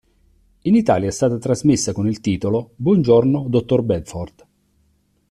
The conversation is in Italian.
In Italia è stata trasmessa con il titolo "Buongiorno, dottor Bedford".